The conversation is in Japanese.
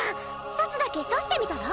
刺すだけ刺してみたら？